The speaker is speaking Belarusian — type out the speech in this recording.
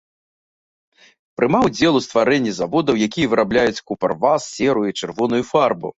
Прымаў удзел у стварэнні заводаў, якія вырабляюць купарвас, серу і чырвоную фарбу.